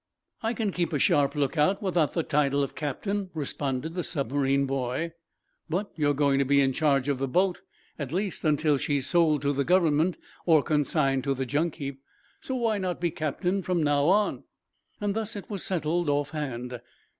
"I can keep a sharp lookout without the title of captain," responded the submarine boy. "But you are going to be in charge of the boat at least until she's sold to the Government or consigned to the junk heap. So why not be captain from now on?" Thus it was settled, off hand.